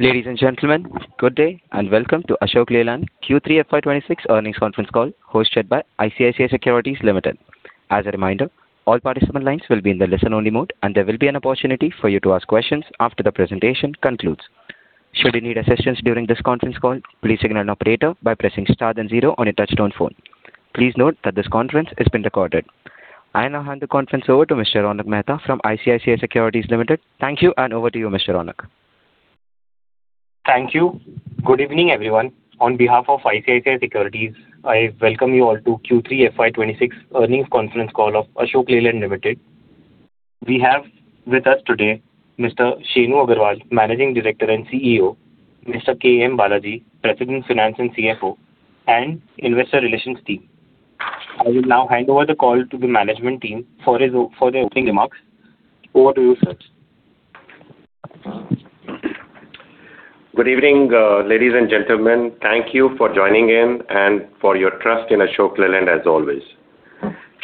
Ladies and gentlemen, good day and welcome to Ashok Leyland Q3 FY 2026 earnings conference call hosted by ICICI Securities Limited. As a reminder, all participant lines will be in the listen-only mode, and there will be an opportunity for you to ask questions after the presentation concludes. Should you need assistance during this conference call, please signal an operator by pressing star then zero on your touch-tone phone. Please note that this conference is being recorded. I now hand the conference over to Mr. Ronak Mehta from ICICI Securities Limited. Thank you, and over to you, Mr. Ronak. Thank you. Good evening, everyone. On behalf of ICICI Securities, I welcome you all to Q3 FY 2026 earnings conference call of Ashok Leyland Limited. We have with us today Mr. Shenu Agarwal, Managing Director and CEO. Mr. K. M. Balaji, President, Finance, and CFO. And Investor Relations Team. I will now hand over the call to the management team for their opening remarks. Over to you, sir. Good evening, ladies and gentlemen. Thank you for joining in and for your trust in Ashok Leyland, as always.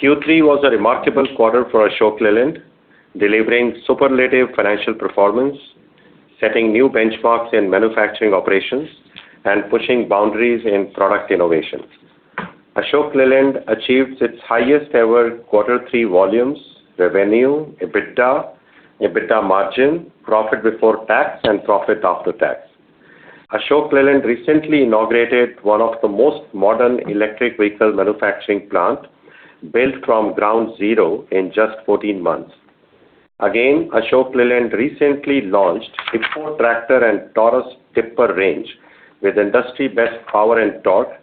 Q3 was a remarkable quarter for Ashok Leyland, delivering superlative financial performance, setting new benchmarks in manufacturing operations, and pushing boundaries in product innovation. Ashok Leyland achieved its highest-ever quarter three volumes, revenue, EBITDA, EBITDA margin, profit before tax, and profit after tax. Ashok Leyland recently inaugurated one of the most modern electric vehicle manufacturing plants, built from ground zero in just 14 months. Again, Ashok Leyland recently launched HIPPO tractor and TAURUS tipper range, with industry-best power and torque,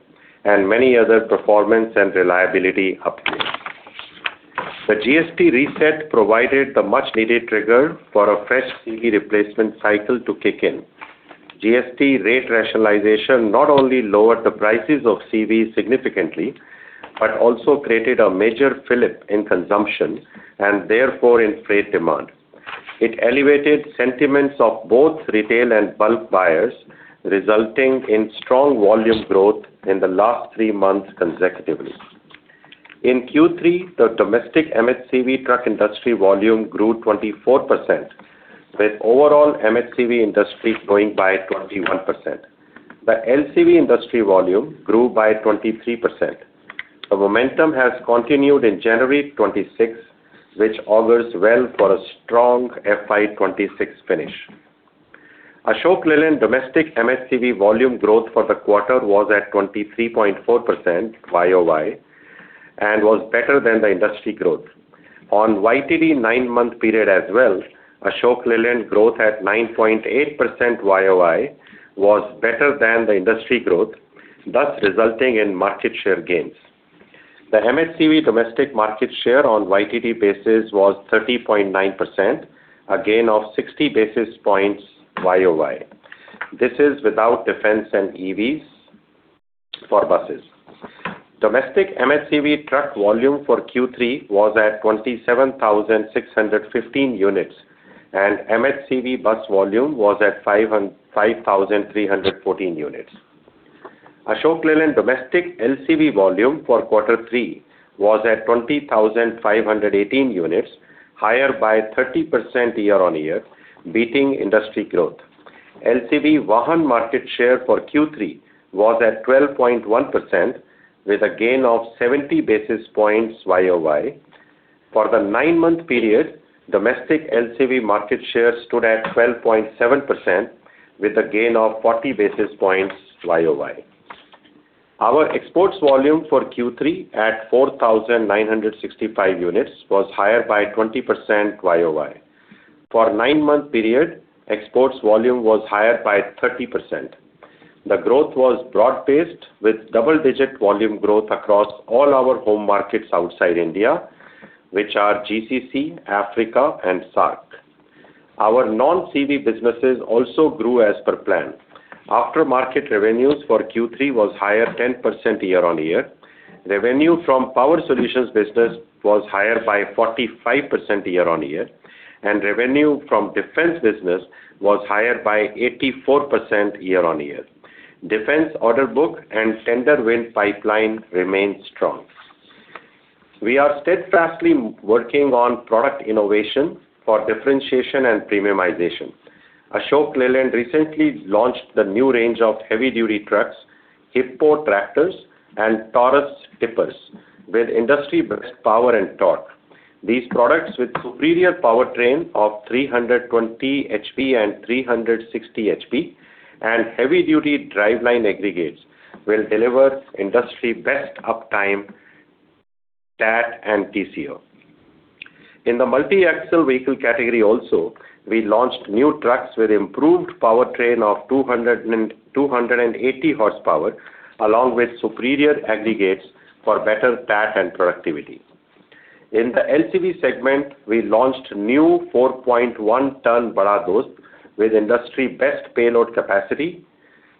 and many other performance and reliability updates. The GST reset provided the much-needed trigger for a fresh CV replacement cycle to kick in. GST rate rationalization not only lowered the prices of CVs significantly but also created a major fillip in consumption and, therefore, in freight demand. It elevated sentiments of both retail and bulk buyers, resulting in strong volume growth in the last three months consecutively. In Q3, the domestic MHCV truck industry volume grew 24%, with overall MHCV industry growing by 21%. The LCV industry volume grew by 23%. The momentum has continued in January 2026, which augurs well for a strong FY 2026 finish. Ashok Leyland domestic MHCV volume growth for the quarter was at 23.4% YoY and was better than the industry growth. On YTD nine-month period as well, Ashok Leyland growth at 9.8% YoY was better than the industry growth, thus resulting in market share gains. The MHCV domestic market share on YTD basis was 30.9%, a gain of 60 basis points YoY. This is without defense and EVs for buses. Domestic MHCV truck volume for Q3 was at 27,615 units, and MHCV bus volume was at 5,314 units. Ashok Leyland domestic LCV volume for quarter three was at 20,518 units, higher by 30% year-on-year, beating industry growth. LCV Vahan market share for Q3 was at 12.1%, with a gain of 70 basis points YoY. For the nine-month period, domestic LCV market share stood at 12.7%, with a gain of 40 basis points YoY. Our exports volume for Q3 at 4,965 units was higher by 20% YoY. For nine-month period, exports volume was higher by 30%. The growth was broad-based, with double-digit volume growth across all our home markets outside India, which are GCC, Africa, and SAARC. Our non-CV businesses also grew as per plan. Aftermarket revenues for Q3 were higher by 10% year-on-year. Revenue from power solutions business was higher by 45% year-on-year, and revenue from defense business was higher by 84% year-on-year. Defense order book and tender win pipeline remained strong. We are steadfastly working on product innovation for differentiation and premiumization. Ashok Leyland recently launched the new range of heavy-duty trucks, HIPPO tractors, and TAURUS tippers, with industry-best power and torque. These products, with superior powertrain of 320 hp and 360 hp, and heavy-duty driveline aggregates, will deliver industry-best uptime TAT and TCO. In the multi-axle vehicle category also, we launched new trucks with improved powertrain of 280 hp, along with superior aggregates for better TAT and productivity. In the LCV segment, we launched new 4.1-ton Bada Dost, with industry-best payload capacity.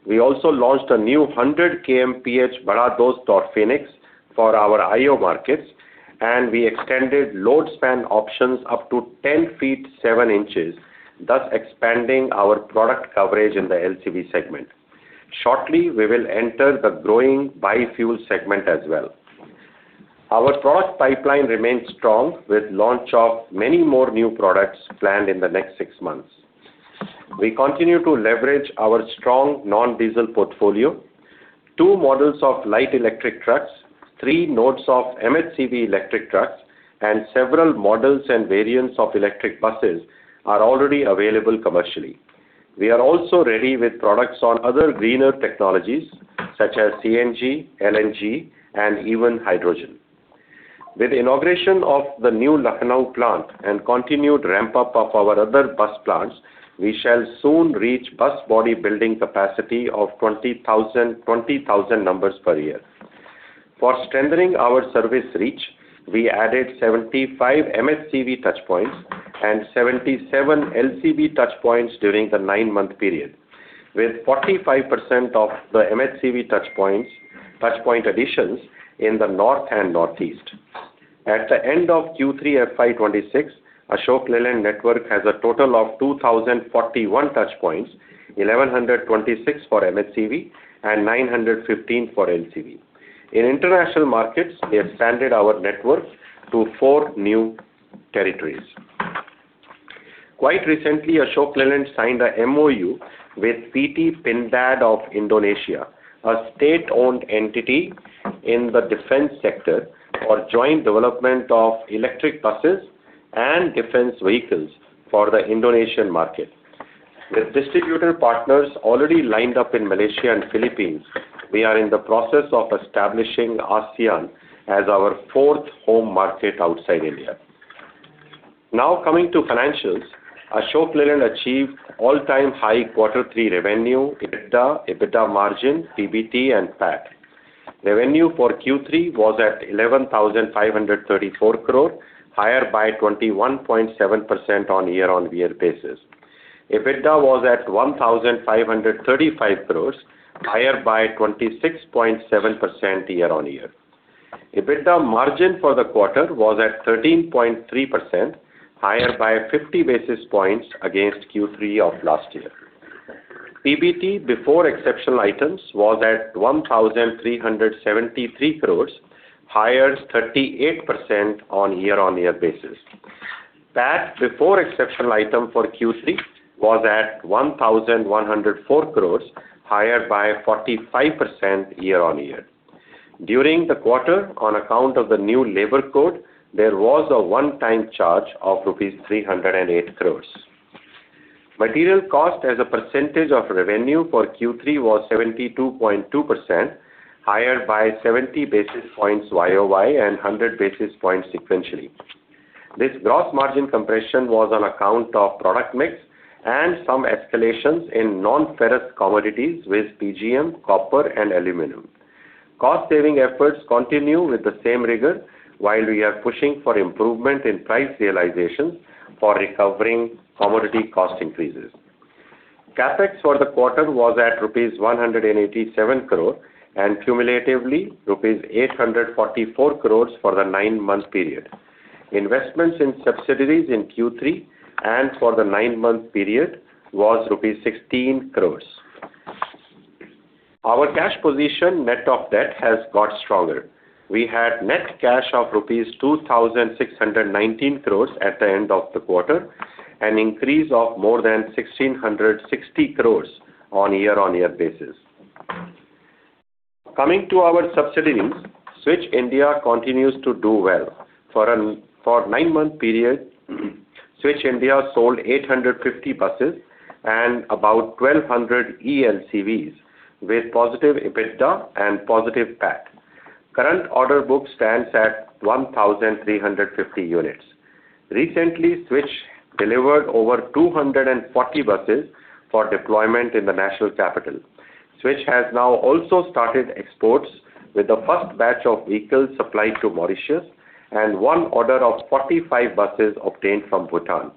We also launched a new 100 km/h Bada Dost torque Phoenix for our IO markets, and we extended load span options up to 10 feet 7 inches, thus expanding our product coverage in the LCV segment. Shortly, we will enter the growing bi-fuel segment as well. Our product pipeline remains strong, with launch of many more new products planned in the next six months. We continue to leverage our strong non-diesel portfolio. Two models of light electric trucks, three nodes of MHCV electric trucks, and several models and variants of electric buses are already available commercially. We are also ready with products on other greener technologies, such as CNG, LNG, and even hydrogen. With inauguration of the new Lucknow plant and continued ramp-up of our other bus plants, we shall soon reach bus body building capacity of 20,000 numbers per year. For strengthening our service reach, we added 75 MHCV touchpoints and 77 LCV touchpoints during the nine-month period, with 45% of the MHCV touchpoint additions in the north and northeast. At the end of Q3 FY 2026, Ashok Leyland network has a total of 2,041 touchpoints, 1,126 for MHCV and 915 for LCV. In international markets, they have expanded our network to four new territories. Quite recently, Ashok Leyland signed an MOU with PT Pindad of Indonesia, a state-owned entity in the defense sector for joint development of electric buses and defense vehicles for the Indonesian market. With distributor partners already lined up in Malaysia and Philippines, we are in the process of establishing ASEAN as our fourth home market outside India. Now coming to financials, Ashok Leyland achieved all-time high quarter three revenue, EBITDA, EBITDA margin, PBT, and PAT. Revenue for Q3 was at 11,534 crore, higher by 21.7% on year-over-year basis. EBITDA was at 1,535 crore, higher by 26.7% year-over-year. EBITDA margin for the quarter was at 13.3%, higher by 50 basis points against Q3 of last year. PBT, before exceptional items, was at 1,373 crore, higher 38% on year-over-year basis. PAT, before exceptional item for Q3, was at 1,104 crore, higher by 45% year-on-year. During the quarter, on account of the new labor code, there was a one-time charge of rupees 308 crore. Material cost as a percentage of revenue for Q3 was 72.2%, higher by 70 basis points YoY and 100 basis points sequentially. This gross margin compression was on account of product mix and some escalations in non-ferrous commodities with PGM, copper, and aluminum. Cost-saving efforts continue with the same rigor while we are pushing for improvement in price realizations for recovering commodity cost increases. CapEx for the quarter was at rupees 187 crore and cumulatively rupees 844 crore for the nine-month period. Investments in subsidiaries in Q3 and for the nine-month period were rupees 16 crore. Our cash position net of debt has got stronger. We had net cash of rupees 2,619 crore at the end of the quarter, an increase of more than 1,660 crore on year-over-year basis. Coming to our subsidiaries, Switch India continues to do well. For a nine-month period, Switch India sold 850 buses and about 1,200 ELCVs, with positive EBITDA and positive PAT. Current order book stands at 1,350 units. Recently, Switch delivered over 240 buses for deployment in the national capital. Switch has now also started exports, with the first batch of vehicles supplied to Mauritius and one order of 45 buses obtained from Bhutan.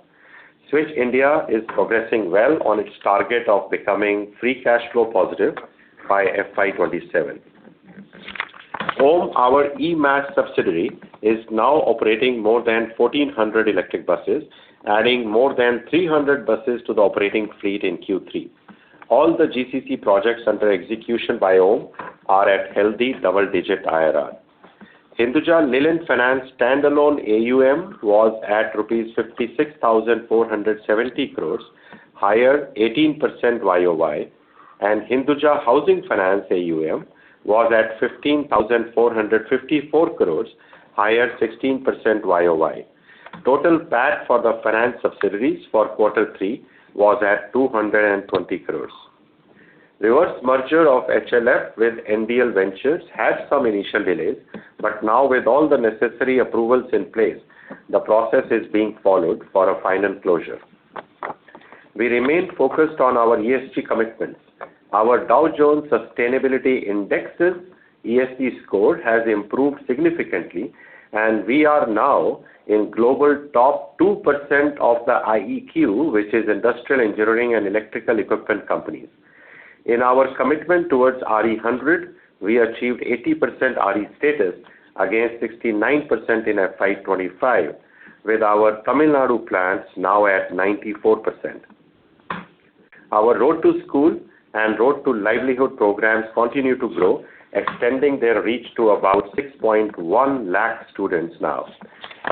Switch India is progressing well on its target of becoming free cash flow positive by FY 2027. OHM, our eMaaS subsidiary, is now operating more than 1,400 electric buses, adding more than 300 buses to the operating fleet in Q3. All the GCC projects under execution by OHM are at healthy double-digit IRR. Hinduja Leyland Finance standalone AUM was at 56,470 crore rupees, higher 18% YoY, and Hinduja Housing Finance AUM was at 15,454 crore, higher 16% YoY. Total PAT for the finance subsidiaries for quarter three was at 220 crore. Reverse merger of HLF with NDL Ventures had some initial delays, but now, with all the necessary approvals in place, the process is being followed for a final closure. We remain focused on our ESG commitments. Our Dow Jones Sustainability Index's ESG score has improved significantly, and we are now in global top 2% of the IEQ, which is Industrial Engineering and Electrical Equipment Companies. In our commitment towards RE100, we achieved 80% RE status against 69% in FY 2025, with our Tamil Nadu plants now at 94%. Our Road to School and Road to Livelihood programs continue to grow, extending their reach to about 6.1 lakh students now.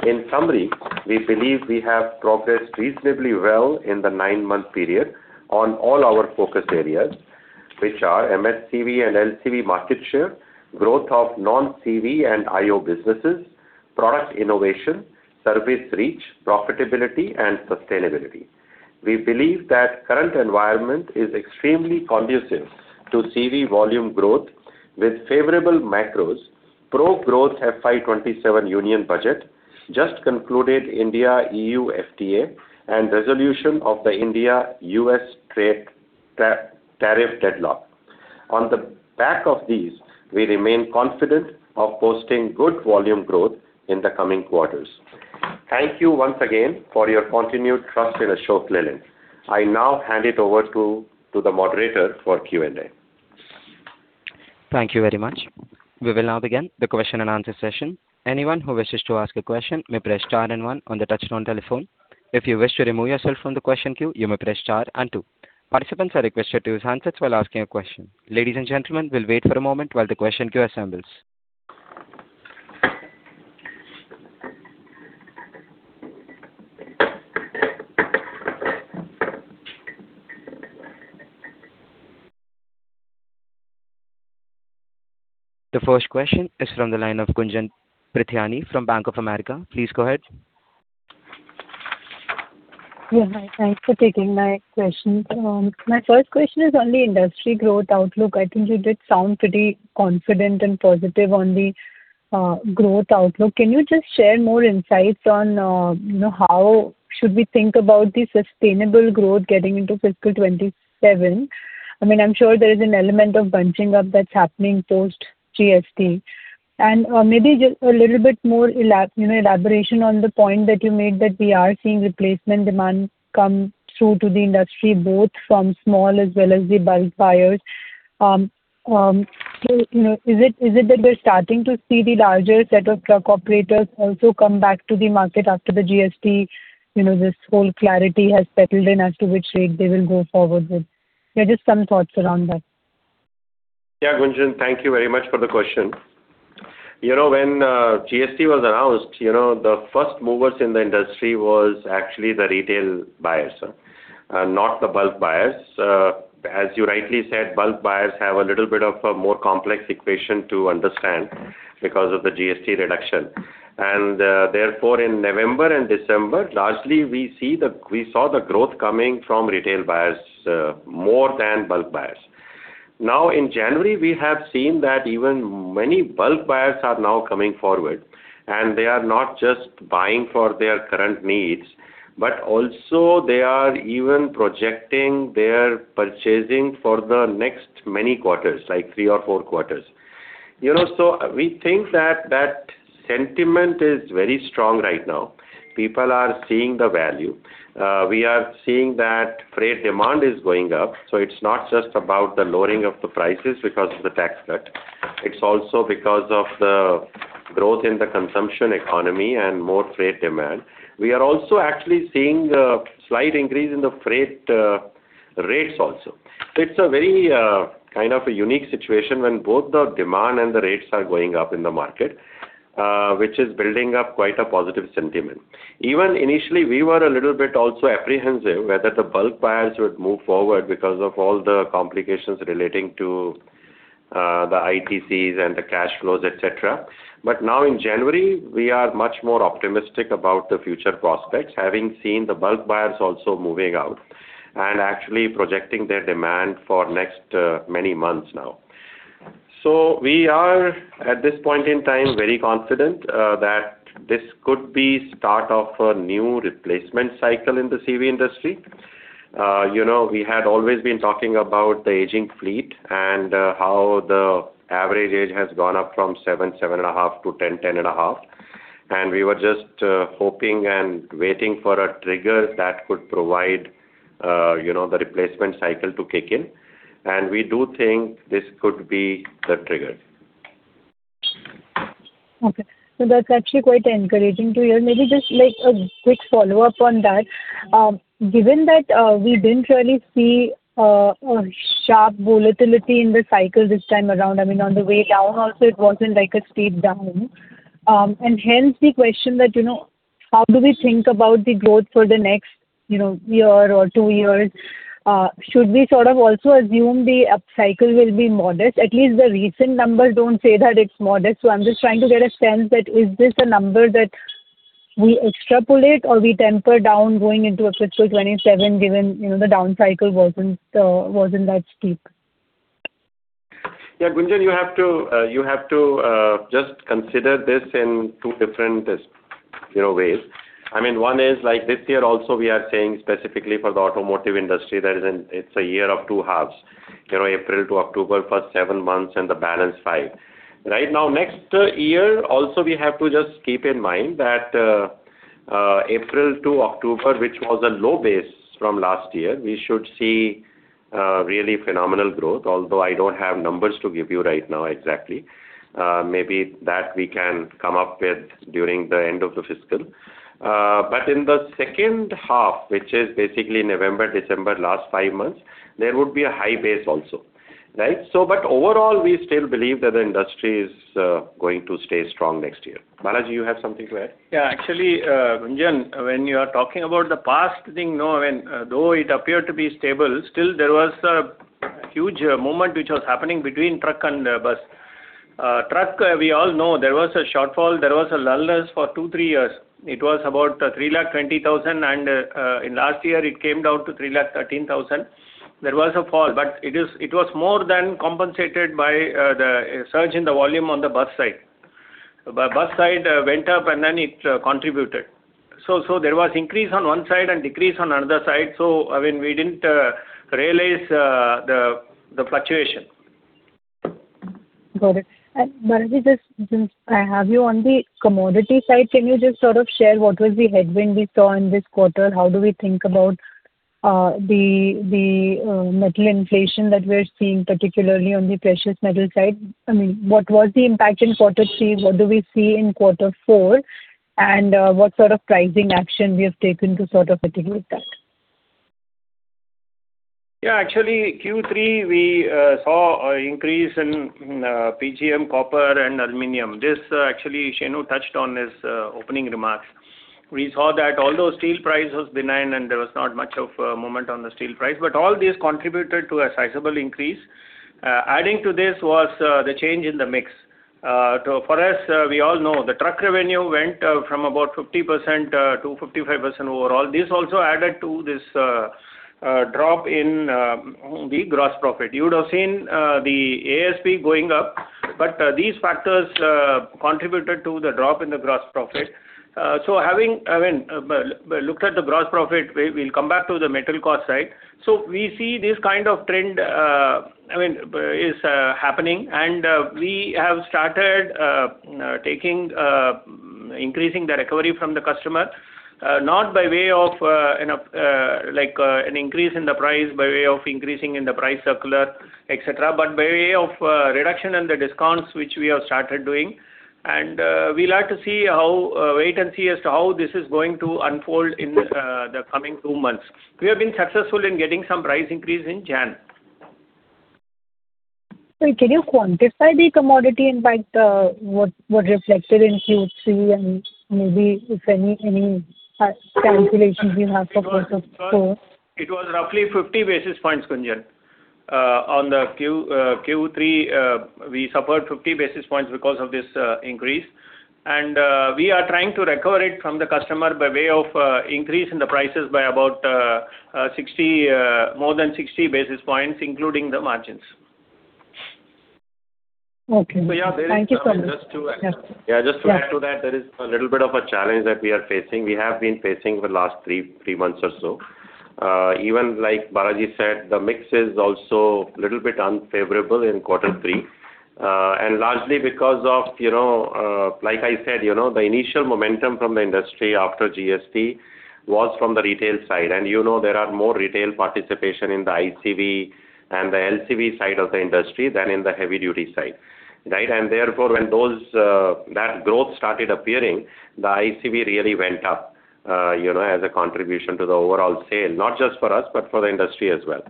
In summary, we believe we have progressed reasonably well in the nine-month period on all our focus areas, which are MHCV and LCV market share, growth of non-CV and IO businesses, product innovation, service reach, profitability, and sustainability. We believe that current environment is extremely conducive to CV volume growth, with favorable macros, pro-growth FY 2027 union budget, just-concluded India-EU FTA, and resolution of the India-U.S. tariff deadlock. On the back of these, we remain confident of posting good volume growth in the coming quarters. Thank you once again for your continued trust in Ashok Leyland. I now hand it over to the moderator for Q&A. Thank you very much. We will now begin the question-and-answer session. Anyone who wishes to ask a question may press star and one on the touch-tone telephone. If you wish to remove yourself from the question queue, you may press star and two. Participants are requested to use handsets while asking a question. Ladies and gentlemen, we'll wait for a moment while the question queue assembles. The first question is from the line of Gunjan Prithyani from Bank of America. Please go ahead. Yeah. Hi. Thanks for taking my questions. My first question is on the industry growth outlook. I think you did sound pretty confident and positive on the growth outlook. Can you just share more insights on how should we think about the sustainable growth getting into fiscal 2027? I mean, I'm sure there is an element of bunching up that's happening post-GST. And maybe just a little bit more elaboration on the point that you made that we are seeing replacement demand come through to the industry, both from small as well as the bulk buyers. Is it that we're starting to see the larger set of truck operators also come back to the market after the GST? This whole clarity has settled in as to which rate they will go forward with. Yeah, just some thoughts around that. Yeah, Gunjan, thank you very much for the question. When GST was announced, the first movers in the industry were actually the retail buyers, not the bulk buyers. As you rightly said, bulk buyers have a little bit of a more complex equation to understand because of the GST reduction. And therefore, in November and December, largely, we saw the growth coming from retail buyers more than bulk buyers. Now, in January, we have seen that even many bulk buyers are now coming forward, and they are not just buying for their current needs, but also they are even projecting their purchasing for the next many quarters, like three or four quarters. So we think that that sentiment is very strong right now. People are seeing the value. We are seeing that freight demand is going up. So it's not just about the lowering of the prices because of the tax cut. It's also because of the growth in the consumption economy and more freight demand. We are also actually seeing a slight increase in the freight rates also. So it's a very kind of a unique situation when both the demand and the rates are going up in the market, which is building up quite a positive sentiment. Even initially, we were a little bit also apprehensive whether the bulk buyers would move forward because of all the complications relating to the ITCs and the cash flows, etc. But now, in January, we are much more optimistic about the future prospects, having seen the bulk buyers also moving out and actually projecting their demand for next many months now. So we are, at this point in time, very confident that this could be the start of a new replacement cycle in the CV industry. We had always been talking about the aging fleet and how the average age has gone up from 7-7.5 to 10-10.5. We were just hoping and waiting for a trigger that could provide the replacement cycle to kick in. We do think this could be the trigger. Okay. That's actually quite encouraging to hear. Maybe just a quick follow-up on that. Given that we didn't really see a sharp volatility in the cycle this time around, I mean, on the way down also, it wasn't a steep down. Hence, the question that how do we think about the growth for the next year or two years? Should we sort of also assume the upcycle will be modest? At least the recent numbers don't say that it's modest. So I'm just trying to get a sense that is this a number that we extrapolate or we temper down going into a fiscal 2027 given the downcycle wasn't that steep? Yeah, Gunjan, you have to just consider this in two different ways. I mean, one is this year also, we are saying specifically for the automotive industry that it's a year of two halves, April to October, first seven months, and the balance five. Right now, next year, also, we have to just keep in mind that April to October, which was a low base from last year, we should see really phenomenal growth, although I don't have numbers to give you right now exactly. Maybe that we can come up with during the end of the fiscal. But in the second half, which is basically November, December, last five months, there would be a high base also, right? But overall, we still believe that the industry is going to stay strong next year. Balaji, you have something to add? Yeah. Actually, Gunjan, when you are talking about the past thing, no, I mean, though it appeared to be stable, still, there was a huge movement which was happening between truck and bus. Truck, we all know there was a shortfall. There was a lull for two, three years. It was about 320,000, and in last year, it came down to 313,000. There was a fall, but it was more than compensated by the surge in the volume on the bus side. Bus side went up, and then it contributed. So there was increase on one side and decrease on the other side. So I mean, we didn't realize the fluctuation. Got it. Balaji, since I have you on the commodity side, can you just sort of share what was the headwind we saw in this quarter? How do we think about the metal inflation that we are seeing, particularly on the precious metal side? I mean, what was the impact in quarter three? What do we see in quarter four? And what sort of pricing action we have taken to sort of mitigate that? Yeah. Actually, Q3, we saw an increase in PGM, copper, and aluminum. This, actually, Shenu touched on in his opening remarks. We saw that although steel price was benign and there was not much of a movement on the steel price, but all these contributed to a sizable increase. Adding to this was the change in the mix. For us, we all know the truck revenue went from about 50%-55% overall. This also added to this drop in the gross profit. You would have seen the ASP going up, but these factors contributed to the drop in the gross profit. So having, I mean, looked at the gross profit, we'll come back to the metal cost side. So we see this kind of trend, I mean, is happening. We have started increasing the recovery from the customer, not by way of an increase in the price, by way of increasing in the price circular, etc., but by way of reduction in the discounts, which we have started doing. We'll have to wait and see as to how this is going to unfold in the coming two months. We have been successful in getting some price increase in January. Can you quantify the commodity impact what reflected in Q3 and maybe if any calculations you have for quarter four? It was roughly 50 basis points, Gunjan. On the Q3, we suffered 50 basis points because of this increase. We are trying to recover it from the customer by way of increase in the prices by about more than 60 basis points, including the margins. So yeah, there is. Okay. Thank you so much. Yeah, just to add to that, there is a little bit of a challenge that we are facing. We have been facing for the last three months or so. Even like Balaji said, the mix is also a little bit unfavorable in quarter three, and largely because of, like I said, the initial momentum from the industry after GST was from the retail side. And there are more retail participation in the ICV and the LCV side of the industry than in the heavy-duty side, right? And therefore, when that growth started appearing, the ICV really went up as a contribution to the overall sale, not just for us, but for the industry as well.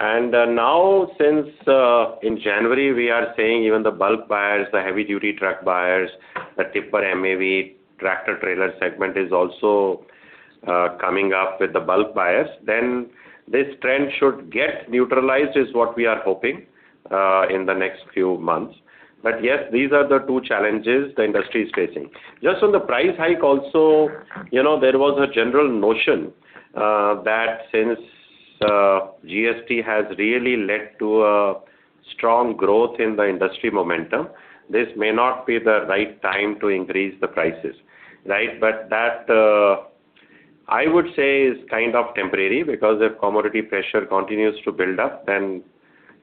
Now, since in January, we are saying even the bulk buyers, the heavy-duty truck buyers, the tipper MAV tractor-trailer segment is also coming up with the bulk buyers, then this trend should get neutralized is what we are hoping in the next few months. But yes, these are the two challenges the industry is facing. Just on the price hike also, there was a general notion that since GST has really led to a strong growth in the industry momentum, this may not be the right time to increase the prices, right? But that, I would say, is kind of temporary because if commodity pressure continues to build up, then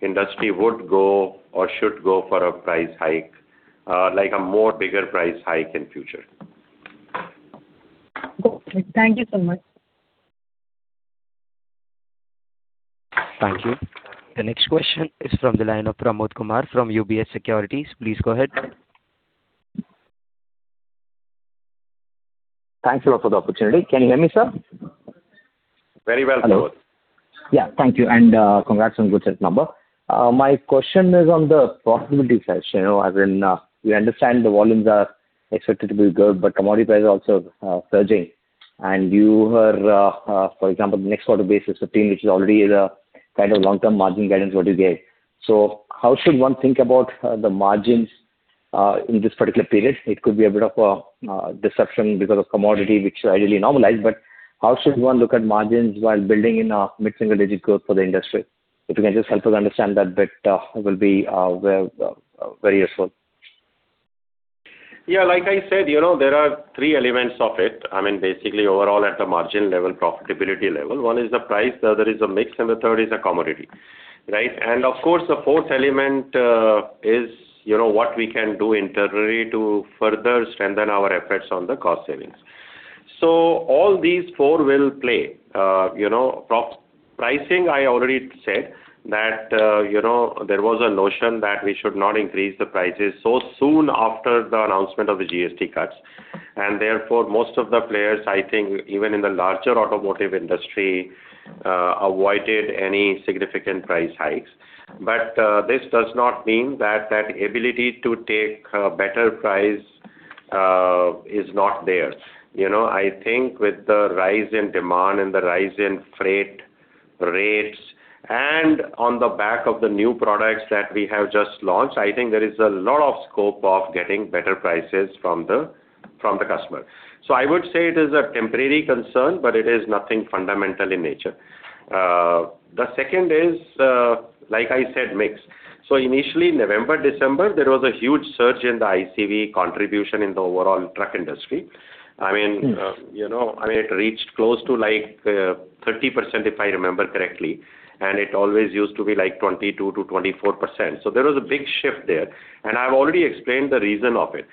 industry would go or should go for a price hike, like a more bigger price hike in the future. Got it. Thank you so much. Thank you. The next question is from the line of Pramod Kumar from UBS Securities. Please go ahead. Thanks a lot for the opportunity. Can you hear me, sir? Very well, Pramod. Yeah. Thank you. Congrats on good set number. My question is on the profitability side, Shenu. I mean, we understand the volumes are expected to be good, but commodity price is also surging. You heard, for example, the next quarter base is 15, which is already kind of long-term margin guidance what you gave. So how should one think about the margins in this particular period? It could be a bit of a deception because of commodity, which should ideally normalize. But how should one look at margins while building in a mid-single-digit growth for the industry? If you can just help us understand that bit, it will be very useful. Yeah. Like I said, there are three elements of it. I mean, basically, overall at the margin level, profitability level, one is the price. The other is a mix. And the third is a commodity, right? And of course, the fourth element is what we can do internally to further strengthen our efforts on the cost savings. So all these four will play. Pricing, I already said that there was a notion that we should not increase the prices so soon after the announcement of the GST cuts. And therefore, most of the players, I think, even in the larger automotive industry, avoided any significant price hikes. But this does not mean that that ability to take a better price is not there. I think with the rise in demand and the rise in freight rates and on the back of the new products that we have just launched, I think there is a lot of scope of getting better prices from the customer. So I would say it is a temporary concern, but it is nothing fundamental in nature. The second is, like I said, mix. So initially, November, December, there was a huge surge in the ICV contribution in the overall truck industry. I mean, I mean, it reached close to 30% if I remember correctly. And it always used to be 22%-24%. So there was a big shift there. And I've already explained the reason of it.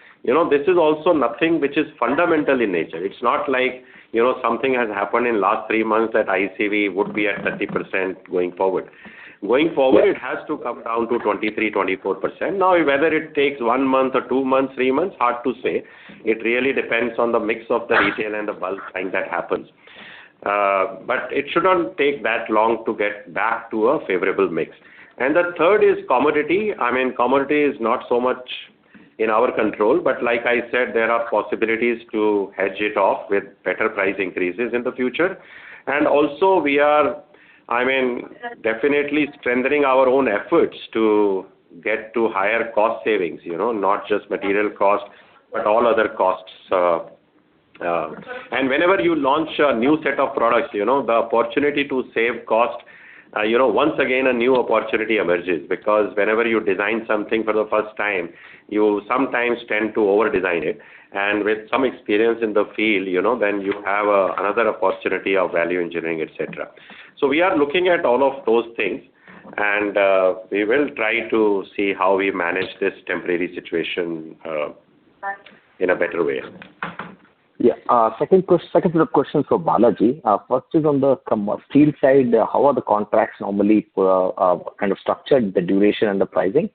This is also nothing which is fundamental in nature. It's not like something has happened in the last three months that ICV would be at 30% going forward. Going forward, it has to come down to 23%-24%. Now, whether it takes one month or two months, three months, hard to say. It really depends on the mix of the retail and the bulk trend that happens. But it shouldn't take that long to get back to a favorable mix. And the third is commodity. I mean, commodity is not so much in our control. But like I said, there are possibilities to hedge it off with better price increases in the future. And also, we are, I mean, definitely strengthening our own efforts to get to higher cost savings, not just material cost, but all other costs. And whenever you launch a new set of products, the opportunity to save cost, once again, a new opportunity emerges because whenever you design something for the first time, you sometimes tend to overdesign it. With some experience in the field, then you have another opportunity of value engineering, etc. We are looking at all of those things, and we will try to see how we manage this temporary situation in a better way. Yeah. Second set of questions for Balaji. First is on the steel side. How are the contracts normally kind of structured, the duration and the pricing?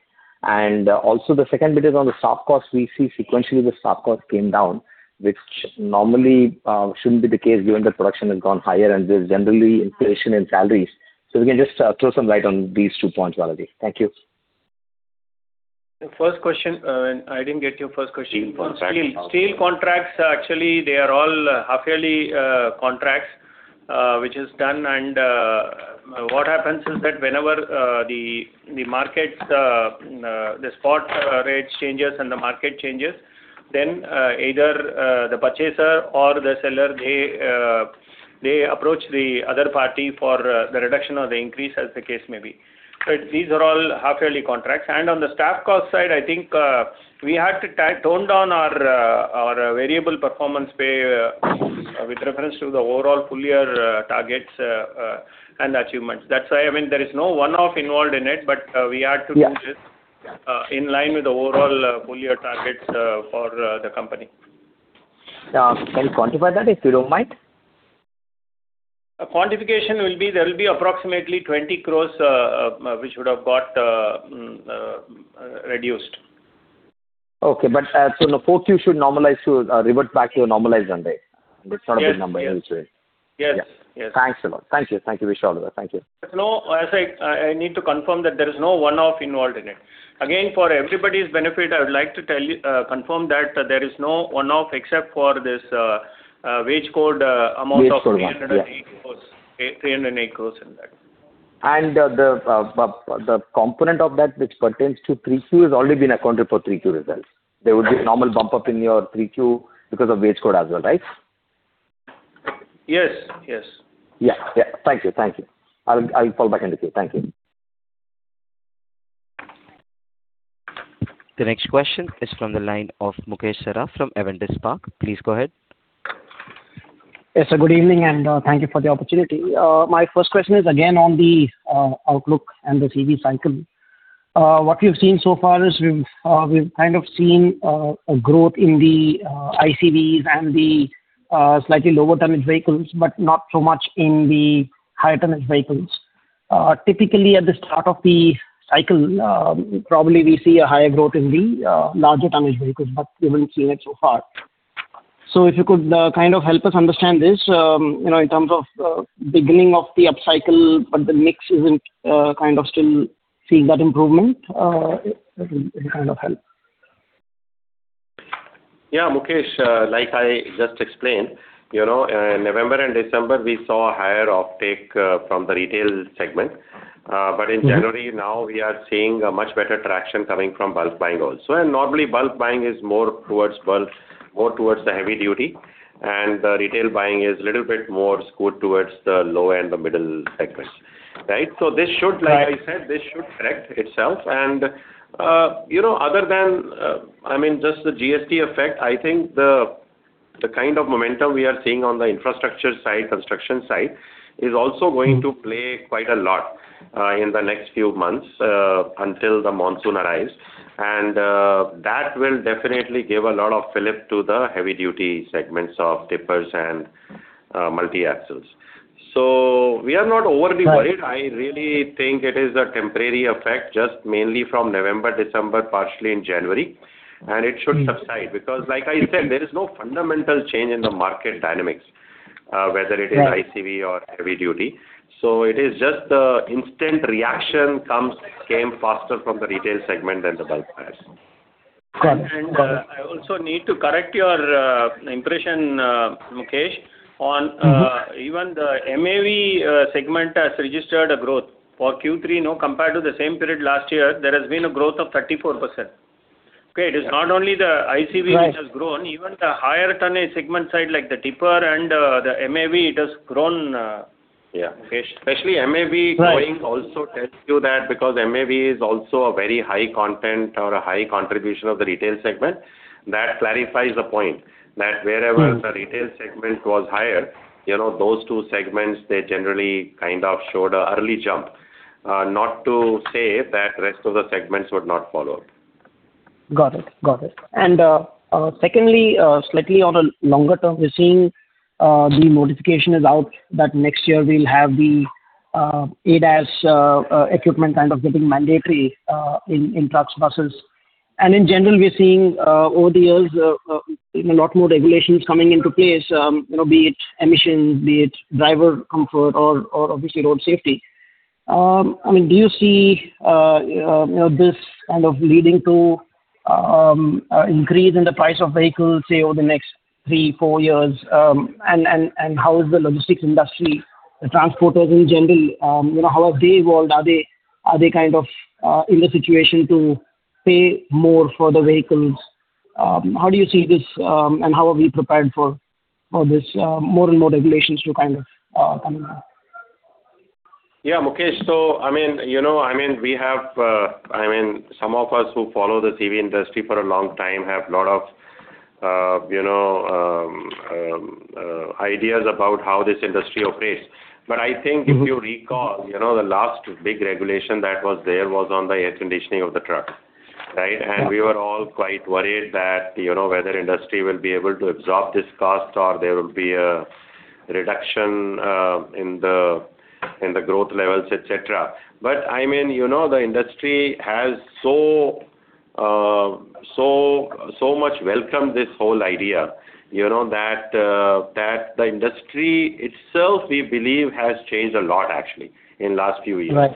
And also, the second bit is on the staff cost. We see sequentially the staff cost came down, which normally shouldn't be the case given that production has gone higher and there's generally inflation in salaries. So we can just throw some light on these two points, Balaji. Thank you. First question, and I didn't get your first question. Steel contracts. Steel contracts, actually, they are all half-yearly contracts, which is done. What happens is that whenever the markets, the spot rate changes and the market changes, then either the purchaser or the seller, they approach the other party for the reduction or the increase, as the case may be. But these are all half-yearly contracts. On the staff cost side, I think we had to tone down our variable performance pay with reference to the overall full-year targets and achievements. That's why, I mean, there is no one-off involved in it, but we had to do this in line with the overall full-year targets for the company. Can you quantify that if you don't mind? Quantification will be approximately 20 crores, which would have got reduced. Okay. But so the 4Q should normalize to revert back to a normalized number. It's not a big number in this way. Yes. Yes. Thanks a lot. Thank you. Thank you. Wish all the best. Thank you. As I said, I need to confirm that there is no one-off involved in it. Again, for everybody's benefit, I would like to confirm that there is no one-off except for this wage code amount of 308 crore. The component of that which pertains to 3Q has already been accounted for 3Q results. There would be a normal bump-up in your 3Q because of wage code as well, right? Yes. Yes. Yeah. Yeah. Thank you. Thank you. I'll fall back into this. Thank you. The next question is from the line of Mukesh Saraf from Avendus Spark. Please go ahead. Yes. So good evening, and thank you for the opportunity. My first question is, again, on the outlook and the CV cycle. What we've seen so far is we've kind of seen a growth in the ICVs and the slightly lower tonnage vehicles, but not so much in the higher tonnage vehicles. Typically, at the start of the cycle, probably we see a higher growth in the larger tonnage vehicles, but we haven't seen it so far. So if you could kind of help us understand this in terms of beginning of the upcycle, but the mix isn't kind of still seeing that improvement, it will kind of help. Yeah. Mukesh, like I just explained, in November and December, we saw a higher uptake from the retail segment. But in January, now we are seeing a much better traction coming from bulk buying also. And normally, bulk buying is more towards the heavy duty, and the retail buying is a little bit more scooted towards the low and the middle segments, right? So like I said, this should correct itself. And other than, I mean, just the GST effect, I think the kind of momentum we are seeing on the infrastructure side, construction side, is also going to play quite a lot in the next few months until the monsoon arrives. And that will definitely give a lot of filip to the heavy-duty segments of tippers and multi-axles. So we are not overly worried. I really think it is a temporary effect just mainly from November, December, partially in January. It should subside because, like I said, there is no fundamental change in the market dynamics, whether it is ICV or heavy duty. It is just the instant reaction came faster from the retail segment than the bulk buyers. Got it. I also need to correct your impression, Mukesh, on even the MAV segment has registered a growth for Q3 compared to the same period last year. There has been a growth of 34%. Okay? It is not only the ICV which has grown. Even the higher tonnage segment side like the tipper and the MAV, it has grown, Mukesh. Especially MAV growing also tells you that because MAV is also a very high content or a high contribution of the retail segment, that clarifies the point that wherever the retail segment was higher, those two segments, they generally kind of showed an early jump, not to say that the rest of the segments would not follow up. Got it. Got it. And secondly, slightly on a longer term, we're seeing the notification is out that next year, we'll have the ADAS equipment kind of getting mandatory in trucks, buses. And in general, we're seeing over the years a lot more regulations coming into place, be it emissions, be it driver comfort, or obviously road safety. I mean, do you see this kind of leading to an increase in the price of vehicles, say, over the next three, four years? And how is the logistics industry, the transporters in general, how have they evolved? Are they kind of in the situation to pay more for the vehicles? How do you see this, and how are we prepared for these more and more regulations to kind of come in? Yeah. Mukesh, so I mean, I mean, we have I mean, some of us who follow the CV industry for a long time have a lot of ideas about how this industry operates. But I think if you recall, the last big regulation that was there was on the air conditioning of the trucks, right? And we were all quite worried that whether the industry will be able to absorb this cost or there will be a reduction in the growth levels, etc. But I mean, the industry has so much welcomed this whole idea that the industry itself, we believe, has changed a lot, actually, in the last few years.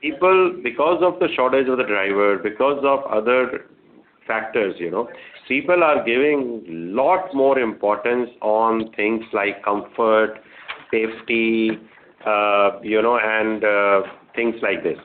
Because of the shortage of the driver, because of other factors, people are giving a lot more importance on things like comfort, safety, and things like this.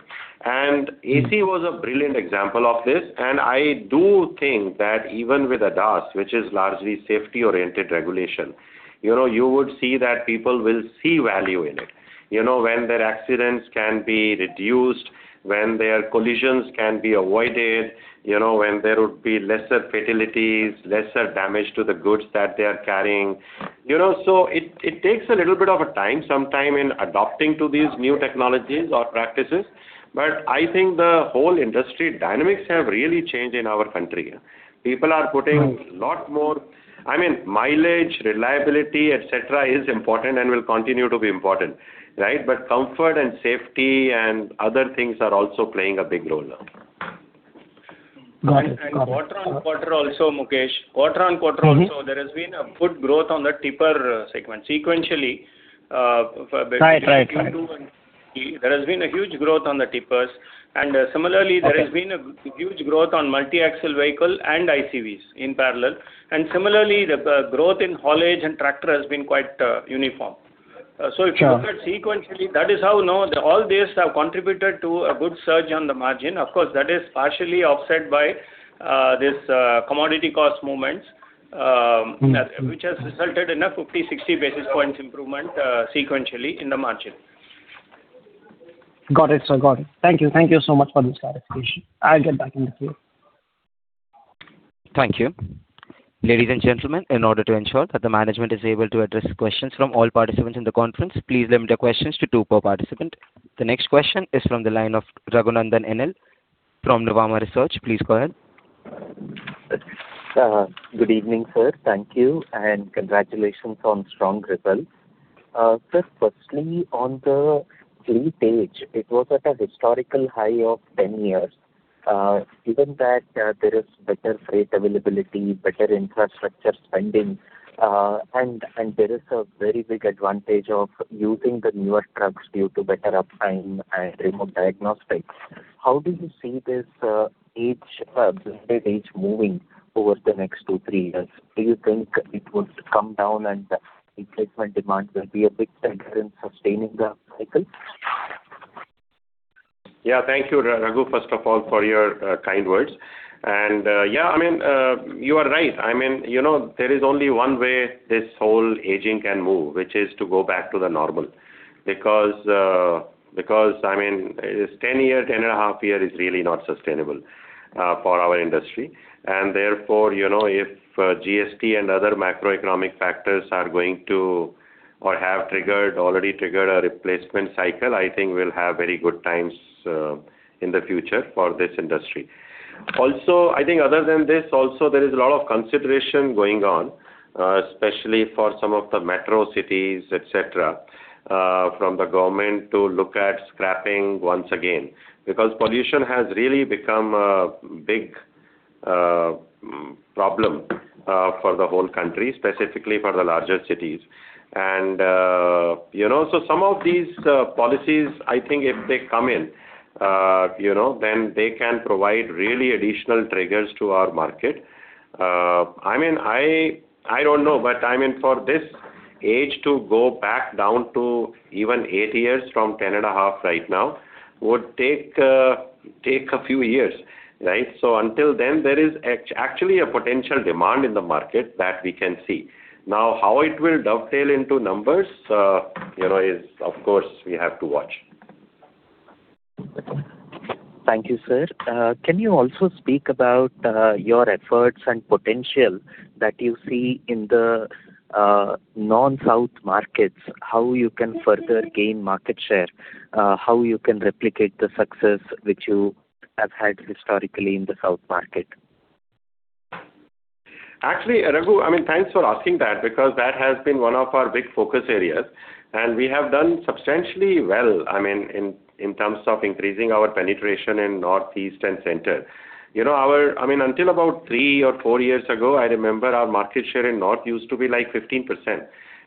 And AC was a brilliant example of this. I do think that even with ADAS, which is largely safety-oriented regulation, you would see that people will see value in it when their accidents can be reduced, when their collisions can be avoided, when there would be lesser fatalities, lesser damage to the goods that they are carrying. So it takes a little bit of time, some time, in adapting to these new technologies or practices. But I think the whole industry dynamics have really changed in our country. People are putting a lot more, I mean, mileage, reliability, etc., is important and will continue to be important, right? But comfort and safety and other things are also playing a big role now. Got it. Got it. Quarter-on-quarter also, Mukesh, quarter-on-quarter also, there has been a good growth on the tipper segment sequentially. Right. Right. Right. There has been a huge growth on the tippers. Similarly, there has been a huge growth on multi-axle vehicle and ICVs in parallel. Similarly, the growth in haulage and tractor has been quite uniform. If you look at sequentially, that is how now all these have contributed to a good surge on the margin. Of course, that is partially offset by these commodity cost movements, which has resulted in a 50-60 basis points improvement sequentially in the margin. Got it. So got it. Thank you. Thank you so much for this clarification. I'll get back into this. Thank you. Ladies and gentlemen, in order to ensure that the management is able to address questions from all participants in the conference, please limit your questions to two per participant. The next question is from the line of Raghunandan N.L. from Nuvama Research. Please go ahead. Good evening, sir. Thank you. And congratulations on strong results. Sir, firstly, on the fleet age, it was at a historical high of 10 years. Given that there is better freight availability, better infrastructure spending, and there is a very big advantage of using the newer trucks due to better uptime and remote diagnostics, how do you see this blended age moving over the next two, three years? Do you think it would come down and replacement demand will be a big factor in sustaining the cycle? Yeah. Thank you, Raghu, first of all, for your kind words. And yeah, I mean, you are right. I mean, there is only one way this whole aging can move, which is to go back to the normal because, I mean, 10 years, 10.5 years is really not sustainable for our industry. Therefore, if GST and other macroeconomic factors are going to or have already triggered a replacement cycle, I think we'll have very good times in the future for this industry. Also, I think other than this, also, there is a lot of consideration going on, especially for some of the metro cities, etc., from the government to look at scrapping once again because pollution has really become a big problem for the whole country, specifically for the larger cities. And so some of these policies, I think if they come in, then they can provide really additional triggers to our market. I mean, I don't know, but I mean, for this age to go back down to even 8 years from 10.5 right now would take a few years, right? So until then, there is actually a potential demand in the market that we can see. Now, how it will dovetail into numbers is, of course, we have to watch. Thank you, sir. Can you also speak about your efforts and potential that you see in the non-South markets, how you can further gain market share, how you can replicate the success which you have had historically in the South market? Actually, Raghu, I mean, thanks for asking that because that has been one of our big focus areas. We have done substantially well, I mean, in terms of increasing our penetration in Northeast and center. I mean, until about three or four years ago, I remember our market share in north used to be like 15%.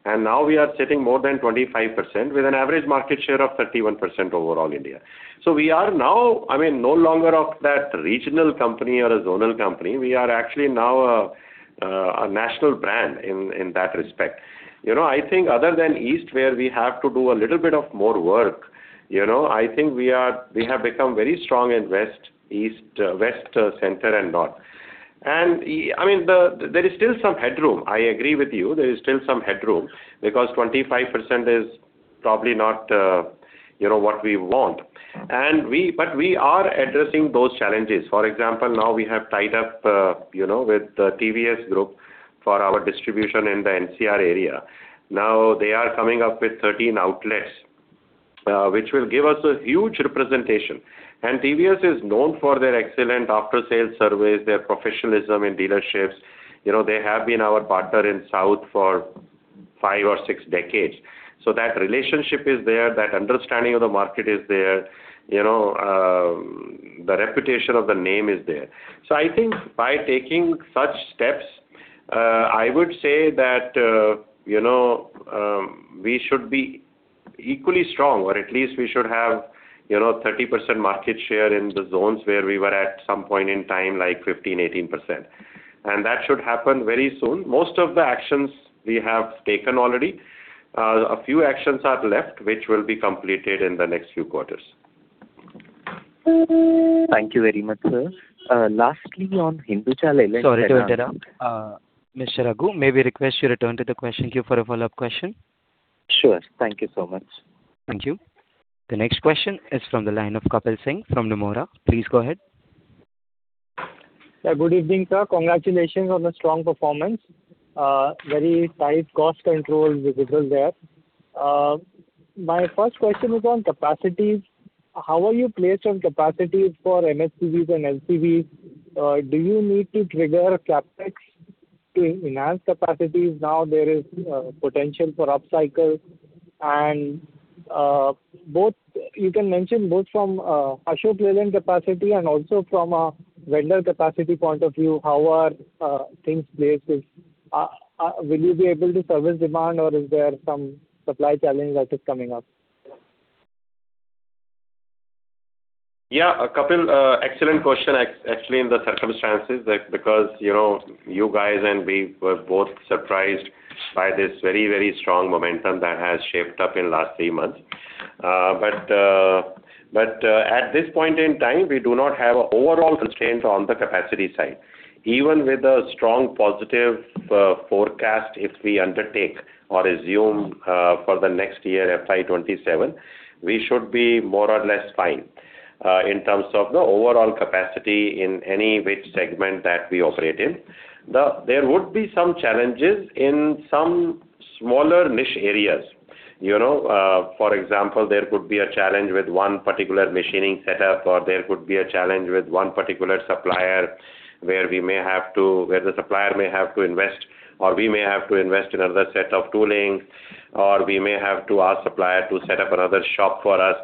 Now we are sitting more than 25% with an average market share of 31% overall in India. So we are now, I mean, no longer that regional company or a zonal company. We are actually now a national brand in that respect. I think other than east, where we have to do a little bit of more work, I think we have become very strong in west, east, west, center, and north. I mean, there is still some headroom. I agree with you. There is still some headroom because 25% is probably not what we want. But we are addressing those challenges. For example, now we have tied up with TVS Group for our distribution in the NCR area. Now, they are coming up with 13 outlets, which will give us a huge representation. And TVS is known for their excellent after-sales service, their professionalism in dealerships. They have been our partner in south for five or six decades. So that relationship is there. That understanding of the market is there. The reputation of the name is there. So I think by taking such steps, I would say that we should be equally strong, or at least we should have 30% market share in the zones where we were at some point in time, like 15%-18%. And that should happen very soon. Most of the actions we have taken already. A few actions are left, which will be completed in the next few quarters. Thank you very much, sir. Lastly, on Hinduja Leyland Finance- Sorry to interrupt, Mr. Raghu. May we request you return to the question queue for a follow-up question? Sure. Thank you so much. Thank you. The next question is from the line of Kapil Singh from Nomura. Please go ahead. Yeah. Good evening, sir. Congratulations on the strong performance. Very tight cost control within there. My first question is on capacities. How are you placed on capacities for MHCVs and LCVs? Do you need to trigger CapEx to enhance capacities? Now, there is potential for upcycle. And you can mention both from Ashok Leyland capacity and also from a vendor capacity point of view. How are things placed? Will you be able to service demand, or is there some supply challenge that is coming up? Yeah. Kapil, excellent question, actually, in the circumstances because you guys and we were both surprised by this very, very strong momentum that has shaped up in the last three months. But at this point in time, we do not have an overall constraint on the capacity side. Even with a strong positive forecast, if we undertake or assume for the next year, FY 2027, we should be more or less fine in terms of the overall capacity in any which segment that we operate in. There would be some challenges in some smaller niche areas. For example, there could be a challenge with one particular machining setup, or there could be a challenge with one particular supplier where we may have to, the supplier may have to invest, or we may have to invest in another set of tooling, or we may have to ask the supplier to set up another shop for us.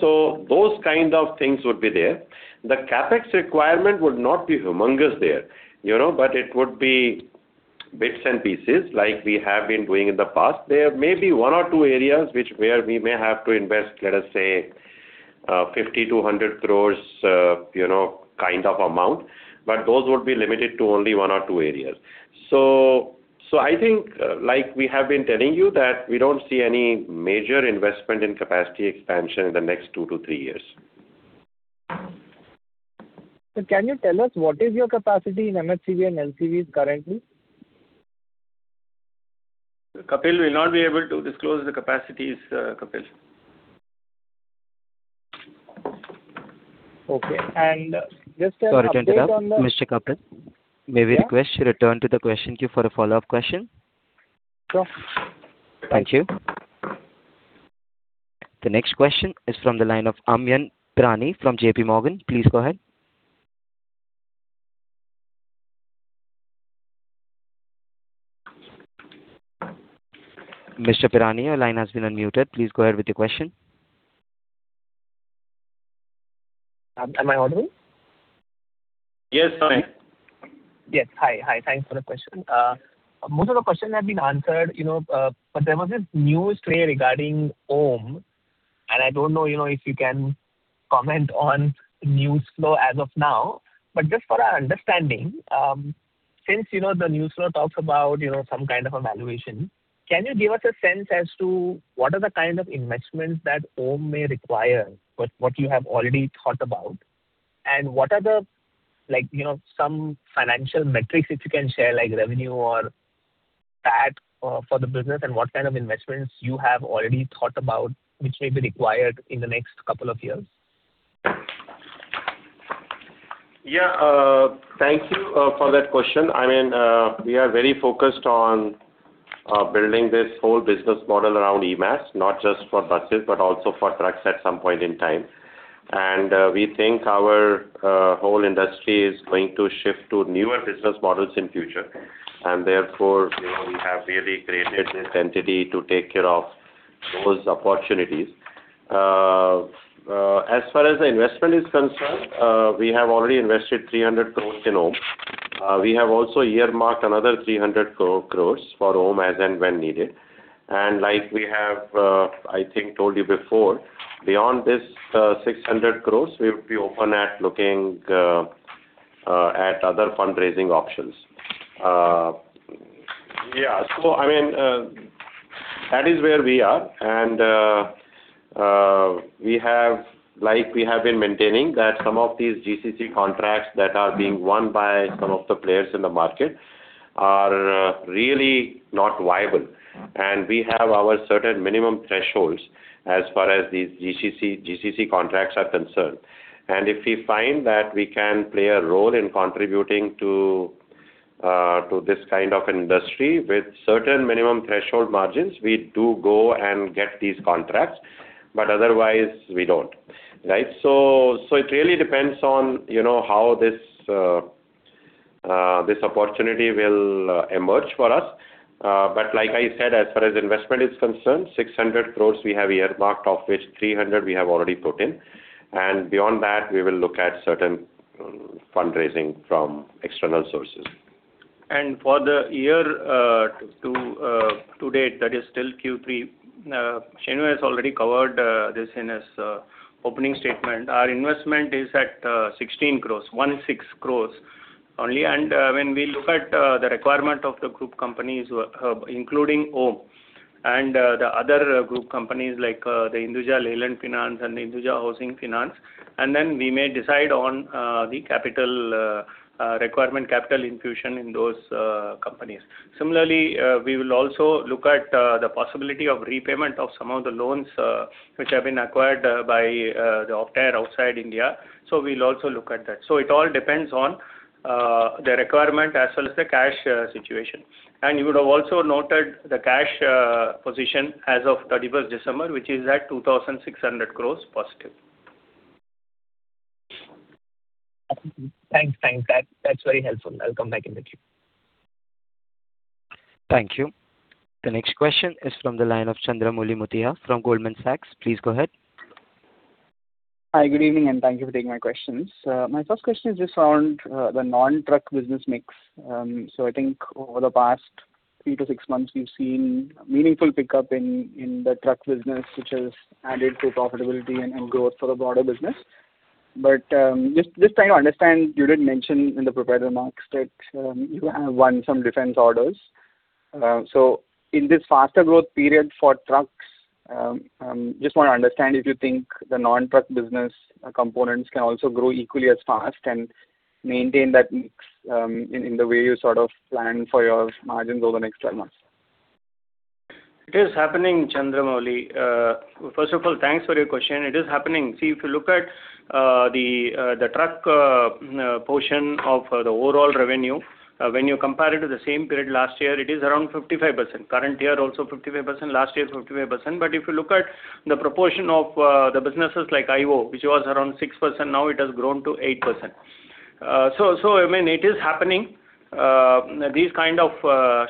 So those kind of things would be there. The CapEx requirement would not be humongous there, but it would be bits and pieces like we have been doing in the past. There may be one or two areas where we may have to invest, let us say, 50 crores-100 crores kind of amount, but those would be limited to only one or two areas. I think, like we have been telling you, that we don't see any major investment in capacity expansion in the next 2-3 years. Can you tell us what is your capacity in MHCV and LCVs currently? Kapil, we'll not be able to disclose the capacities, Kapil. Okay. Just to- Sorry to interrupt, Mr. Kapil. May we request you return to the question queue for a follow-up question? Sure. Thank you. The next question is from the line of Amyn Pirani from J.P. Morgan. Please go ahead. Mr. Pirani, your line has been unmuted. Please go ahead with your question. Am I audible? Yes, Amyn. Yes. Hi. Hi. Thanks for the question. Most of the questions have been answered, but there was this news today regarding OHM, and I don't know if you can comment on newsflow as of now. But just for our understanding, since the newsflow talks about some kind of evaluation, can you give us a sense as to what are the kind of investments that OHM may require, what you have already thought about, and what are some financial metrics if you can share, like revenue or that for the business, and what kind of investments you have already thought about which may be required in the next couple of years? Yeah. Thank you for that question. I mean, we are very focused on building this whole business model around eMaaS, not just for buses but also for trucks at some point in time. We think our whole industry is going to shift to newer business models in the future. Therefore, we have really created this entity to take care of those opportunities. As far as the investment is concerned, we have already invested 300 crore in OHM. We have also earmarked another 300 crore for OHM as and when needed. Like we have, I think, told you before, beyond this 600 crore, we would be open to looking at other fundraising options. Yeah. I mean, that is where we are. We have been maintaining that some of these GCC contracts that are being won by some of the players in the market are really not viable. We have our certain minimum thresholds as far as these GCC contracts are concerned. If we find that we can play a role in contributing to this kind of industry with certain minimum threshold margins, we do go and get these contracts. But otherwise, we don't, right? So it really depends on how this opportunity will emerge for us. But like I said, as far as investment is concerned, 600 crore we have earmarked, of which 300 crore we have already put in. And beyond that, we will look at certain fundraising from external sources. For the year-to-date, that is still Q3. Shenu has already covered this in his opening statement. Our investment is at 16 crore, 16 crore only. And when we look at the requirement of the group companies, including OHM and the other group companies like the Hinduja Leyland Finance and the Hinduja Housing Finance, and then we may decide on the requirement capital infusion in those companies. Similarly, we will also look at the possibility of repayment of some of the loans which have been acquired by the Optare outside India. So we will also look at that. So it all depends on the requirement as well as the cash situation. And you would have also noted the cash position as of 31st December, which is at 2,600 crore positive. Thanks. Thanks. That's very helpful. I'll come back in the queue. Thank you. The next question is from the line of Chandramouli Muthiah from Goldman Sachs. Please go ahead. Hi. Good evening, and thank you for taking my questions. My first question is just around the non-truck business mix. So I think over the past 3-6 months, we've seen meaningful pickup in the truck business, which has added to profitability and growth for the broader business. But just trying to understand, you did mention in the prior remarks that you have won some defense orders. So in this faster growth period for trucks, I just want to understand if you think the non-truck business components can also grow equally as fast and maintain that mix in the way you sort of plan for your margins over the next 12 months? It is happening, Chandramouli. First of all, thanks for your question. It is happening. See, if you look at the truck portion of the overall revenue, when you compare it to the same period last year, it is around 55%. Current year also 55%, last year 55%. But if you look at the proportion of the businesses like IO, which was around 6%, now it has grown to 8%. So I mean, it is happening. These kind of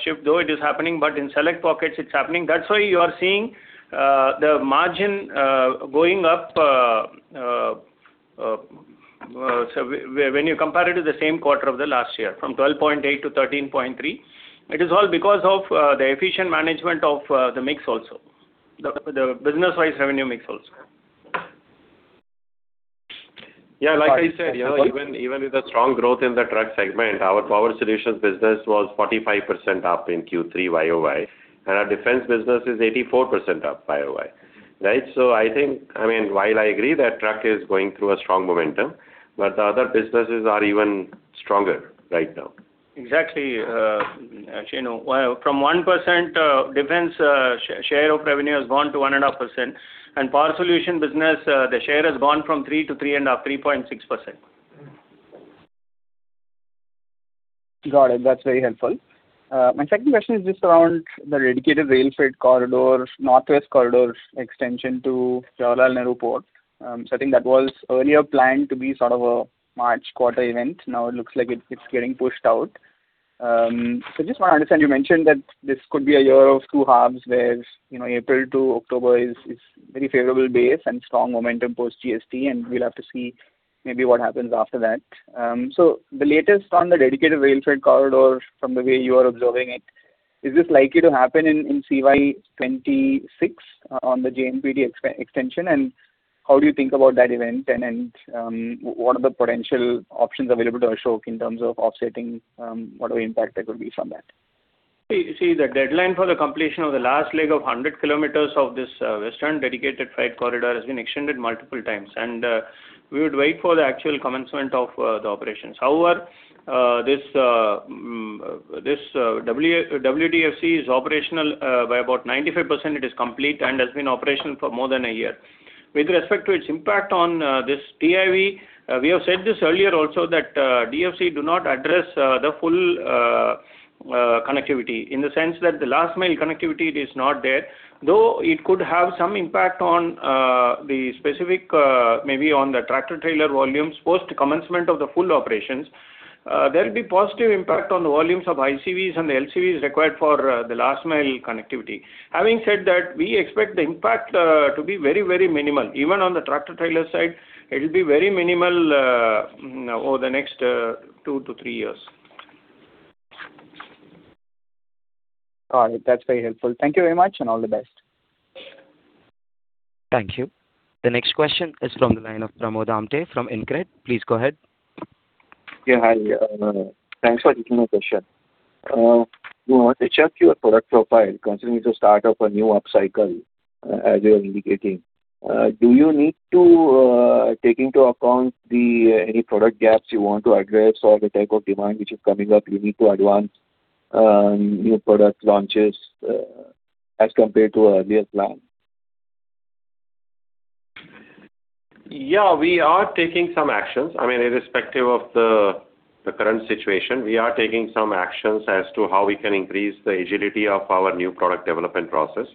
shift, though, it is happening, but in select pockets, it's happening. That's why you are seeing the margin going up when you compare it to the same quarter of the last year from 12.8%-13.3%. It is all because of the efficient management of the mix also, the business-wise revenue mix also. Yeah. Like I said, even with a strong growth in the truck segment, our power solutions business was 45% up in Q3 YoY, and our defense business is 84% up YoY, right? So I mean, while I agree that truck is going through a strong momentum, but the other businesses are even stronger right now. Exactly, Shenu. From 1%, defense share of revenue has gone to 1.5%. Power solution business, the share has gone from 3% to 3.5%-3.6%. Got it. That's very helpful. My second question is just around the dedicated freight corridor, northwest corridor extension to Jawaharlal Nehru Port. So I think that was earlier planned to be sort of a March quarter event. Now, it looks like it's getting pushed out. So I just want to understand. You mentioned that this could be a year of two halves where April to October is a very favorable base and strong momentum post-GST, and we'll have to see maybe what happens after that. So the latest on the dedicated freight corridor, from the way you are observing it, is this likely to happen in CY 2026 on the JNPT extension? And how do you think about that event, and what are the potential options available to Ashok in terms of offsetting whatever impact that could be from that? See, the deadline for the completion of the last leg of 100 km of this Western Dedicated Freight Corridor has been extended multiple times. We would wait for the actual commencement of the operations. However, this WDFC is operational by about 95%. It is complete and has been operational for more than a year. With respect to its impact on this TIV, we have said this earlier also that DFC do not address the full connectivity in the sense that the last-mile connectivity is not there. Though it could have some impact on the specific, maybe on the tractor-trailer volumes post-commencement of the full operations, there will be positive impact on the volumes of ICVs and the LCVs required for the last-mile connectivity. Having said that, we expect the impact to be very, very minimal. Even on the tractor-trailer side, it will be very minimal over the next 2-3 years. Got it. That's very helpful. Thank you very much, and all the best. Thank you. The next question is from the line of Pramod Amthe from InCred. Please go ahead. Yeah. Hi. Thanks for taking my question. We want to check your product profile concerning the start of a new upcycle, as you are indicating. Do you need to take into account any product gaps you want to address or the type of demand which is coming up you need to advance new product launches as compared to an earlier plan? Yeah. We are taking some actions. I mean, irrespective of the current situation, we are taking some actions as to how we can increase the agility of our new product development process.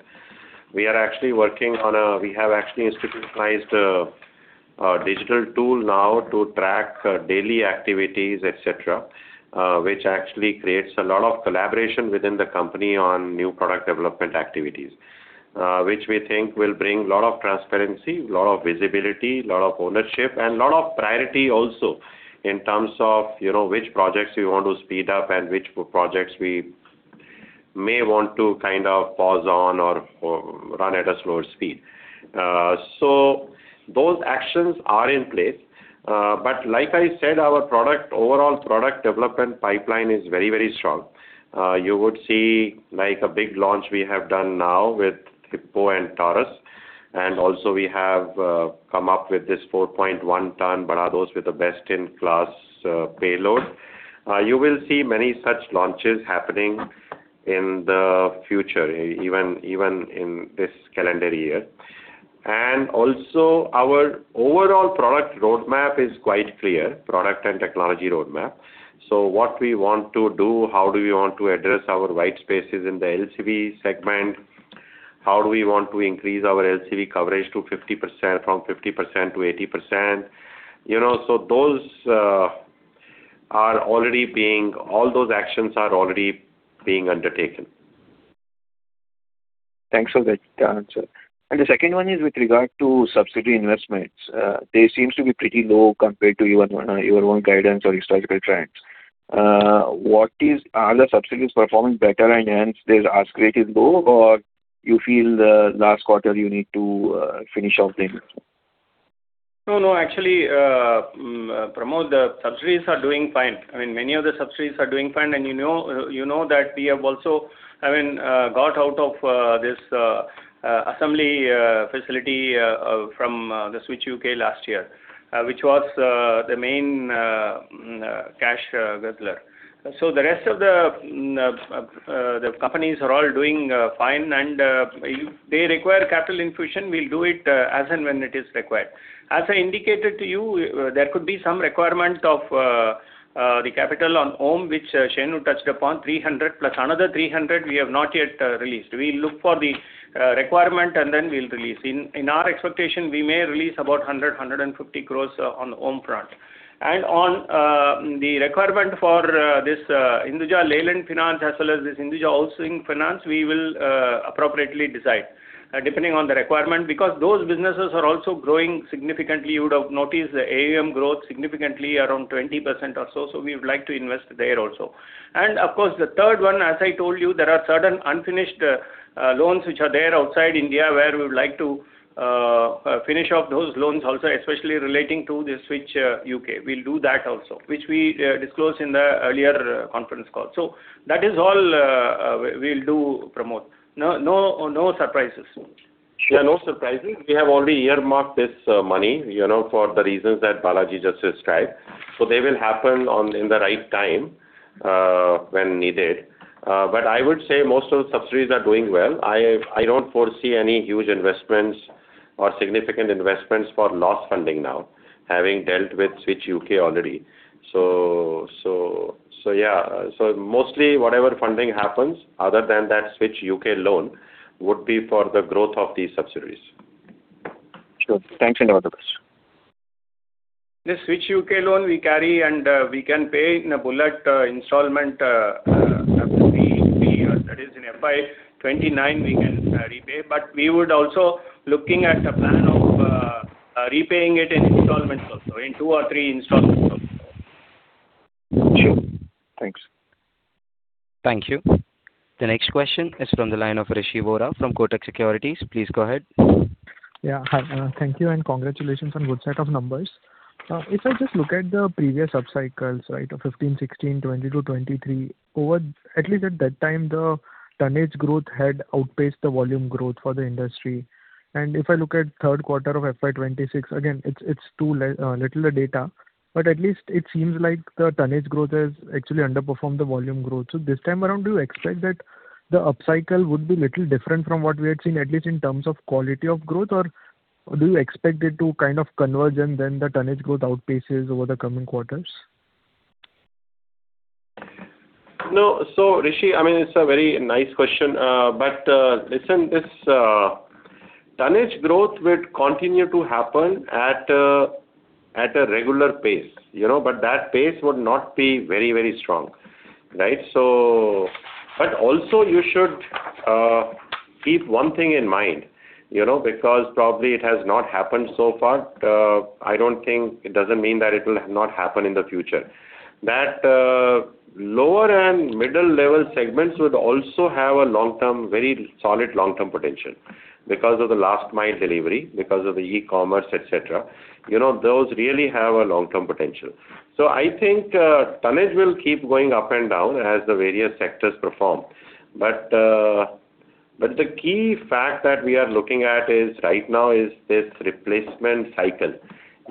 We are actually working on—we have actually institutionalized a digital tool now to track daily activities, etc., which actually creates a lot of collaboration within the company on new product development activities, which we think will bring a lot of transparency, a lot of visibility, a lot of ownership, and a lot of priority also in terms of which projects we want to speed up and which projects we may want to kind of pause on or run at a slower speed. So those actions are in place. But like I said, our overall product development pipeline is very, very strong. You would see a big launch we have done now with HIPPO and TAURUS. Also, we have come up with this 4.1-ton Bada Dost with the best-in-class payload. You will see many such launches happening in the future, even in this calendar year. Also, our overall product roadmap is quite clear, product and technology roadmap. So what we want to do, how do we want to address our white spaces in the LCV segment, how do we want to increase our LCV coverage from 50%-80%? So all those actions are already being undertaken. Thanks for that answer. The second one is with regard to subsidy investments. They seem to be pretty low compared to your own guidance or historical trends. Are the subsidies performing better, and hence, their ask rate is low, or you feel last quarter you need to finish off them? No, no. Actually, Pramod, the subsidiaries are doing fine. I mean, many of the subsidiaries are doing fine. And you know that we have also, I mean, got out of this assembly facility from the Switch UK last year, which was the main cash guzzler. So the rest of the companies are all doing fine. And if they require capital infusion, we'll do it as and when it is required. As I indicated to you, there could be some requirement of the capital on OHM, which Shenu touched upon, 300 + another 300 we have not yet released. We'll look for the requirement, and then we'll release. In our expectation, we may release about 100 crores-150 crores on the OHM front. On the requirement for this Hinduja Leyland Finance as well as this Hinduja Housing Finance, we will appropriately decide depending on the requirement because those businesses are also growing significantly. You would have noticed the AUM growth significantly, around 20% or so. So we would like to invest there also. And of course, the third one, as I told you, there are certain unfinished loans which are there outside India where we would like to finish off those loans also, especially relating to the Switch UK. We'll do that also, which we disclosed in the earlier conference call. So that is all we'll do, Pramod. No surprises. Yeah. No surprises. We have already earmarked this money for the reasons that Balaji just described. So they will happen in the right time when needed. But I would say most of the subsidiaries are doing well. I don't foresee any huge investments or significant investments for loss funding now, having dealt with Switch UK already. So yeah. So mostly, whatever funding happens, other than that Switch UK loan, would be for the growth of these subsidiaries. Sure. Thanks. All the best. The Switch UK loan, we carry, and we can pay in a bullet installment after three years. That is, in FY 2029, we can repay. But we would also be looking at a plan of repaying it in installments also, in two or three installments also. Sure. Thanks. Thank you. The next question is from the line of Rishi Vora from Kotak Securities. Please go ahead. Yeah. Hi. Thank you, and congratulations on a good set of numbers. If I just look at the previous upcycles, right, of 2015, 2016, 2020 to 2023, at least at that time, the tonnage growth had outpaced the volume growth for the industry. If I look at the third quarter of FY 2026, again, it's too little data, but at least it seems like the tonnage growth has actually underperformed the volume growth. This time around, do you expect that the upcycle would be a little different from what we had seen, at least in terms of quality of growth, or do you expect it to kind of converge, and then the tonnage growth outpaces over the coming quarters? No. So Rishi, I mean, it's a very nice question. But listen, this tonnage growth would continue to happen at a regular pace, but that pace would not be very, very strong, right? But also, you should keep one thing in mind because probably it has not happened so far. I don't think it doesn't mean that it will not happen in the future. That lower and middle-level segments would also have a very solid long-term potential because of the last-mile delivery, because of the e-commerce, etc. Those really have a long-term potential. So I think tonnage will keep going up and down as the various sectors perform. But the key fact that we are looking at right now is this replacement cycle.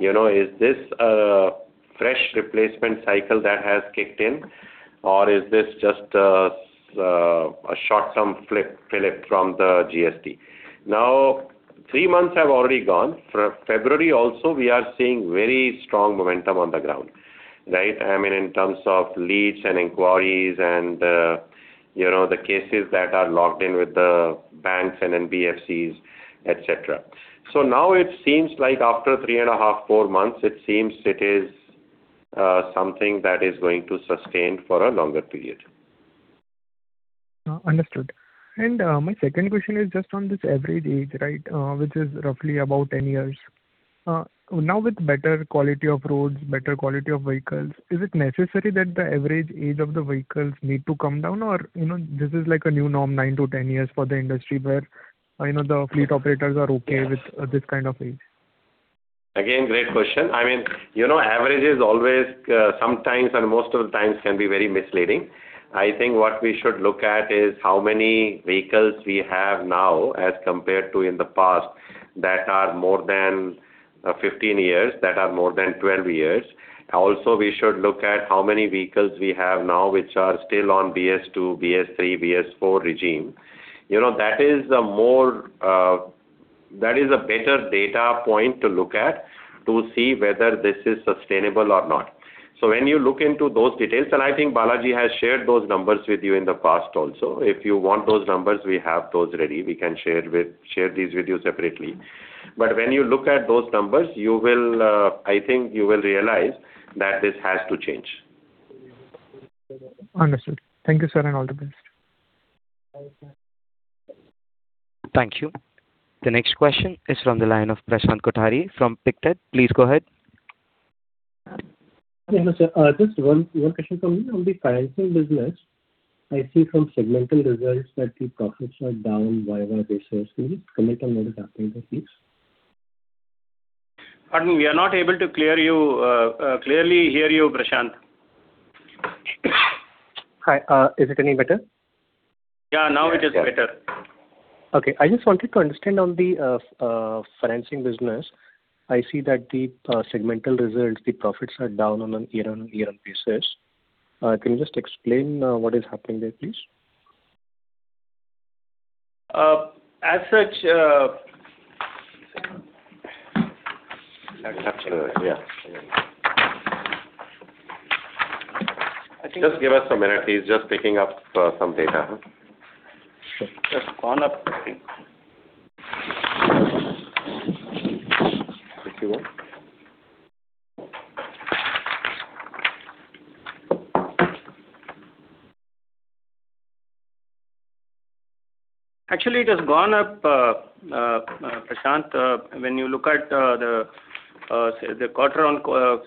Is this a fresh replacement cycle that has kicked in, or is this just a short-term fillip from the GST? Now, three months have already gone. From February also, we are seeing very strong momentum on the ground, right, I mean, in terms of leads and inquiries and the cases that are logged in with the banks and NBFCs, etc. So now, it seems like after 3.5-4 months, it seems it is something that is going to sustain for a longer period. Understood. My second question is just on this average age, right, which is roughly about 10 years. Now, with better quality of roads, better quality of vehicles, is it necessary that the average age of the vehicles need to come down, or this is like a new norm, 9-10 years for the industry where the fleet operators are okay with this kind of age? Again, great question. I mean, average is always sometimes, and most of the times, can be very misleading. I think what we should look at is how many vehicles we have now as compared to in the past that are more than 15 years, that are more than 12 years. Also, we should look at how many vehicles we have now which are still on BS2, BS3, BS4 regime. That is a better data point to look at to see whether this is sustainable or not. So when you look into those details and I think Balaji has shared those numbers with you in the past also. If you want those numbers, we have those ready. We can share these with you separately. But when you look at those numbers, I think you will realize that this has to change. Understood. Thank you, sir, and all the best. Thank you. The next question is from the line of Prashant Kothari from Pictet. Please go ahead. Yes, sir. Just one question from me. On the financing business, I see from segmental results that the profits are down year-on-year basis. Can you just comment on what is happening there, please? Pardon. We are not able to clearly hear you, Prashant. Hi. Is it any better? Yeah. Now, it is better. Okay. I just wanted to understand on the financing business. I see that the segmental results, the profits are down on a year-on-year basis. Can you just explain what is happening there, please? As such, yeah. Just give us a minute. He's just picking up some data. Sure. Just gone up, I think. If you want. Actually, it has gone up, Prashant. When you look at the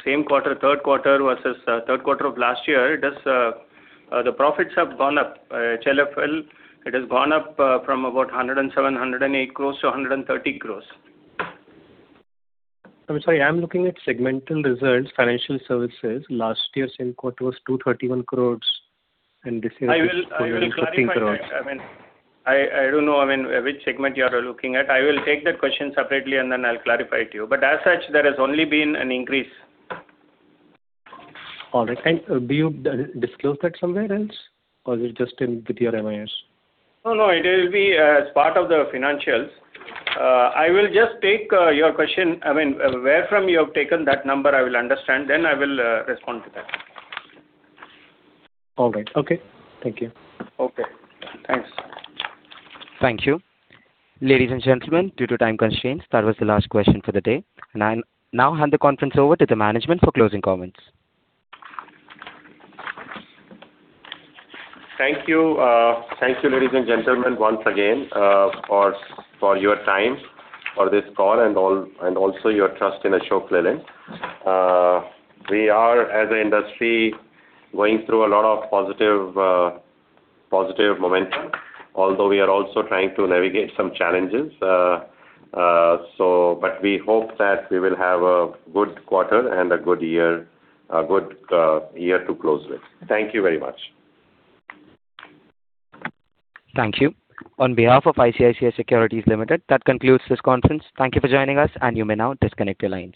same quarter, third quarter versus third quarter of last year, the profits have gone up. HLF, it has gone up from about 107 crores-108 crores to 130 crores. I'm sorry. I'm looking at segmental results, financial services. Last year, same quarter was 231 crores, and this year is INR 215 crores. I will clarify. I mean, I don't know. I mean, which segment you are looking at. I will take that question separately, and then I'll clarify it to you. But as such, there has only been an increase. All right. And do you disclose that somewhere else, or is it just with your MIS? No, no. It will be as part of the financials. I will just take your question. I mean, where from you have taken that number, I will understand. Then I will respond to that. All right. Okay. Thank you. Okay. Thanks. Thank you. Ladies and gentlemen, due to time constraints, that was the last question for the day. I now hand the conference over to the management for closing comments. Thank you. Thank you, ladies and gentlemen, once again, for your time, for this call, and also your trust in Ashok Leyland. We are, as an industry, going through a lot of positive momentum, although we are also trying to navigate some challenges. But we hope that we will have a good quarter and a good year to close with. Thank you very much. Thank you. On behalf of ICICI Securities Limited, that concludes this conference. Thank you for joining us, and you may now disconnect your lines.